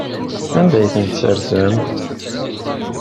Anda ay tent-tessersemt?